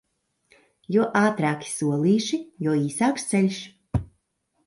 Jo ātrāki solīši, jo īsāks ceļš.